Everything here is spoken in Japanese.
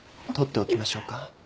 取っておきましょうか。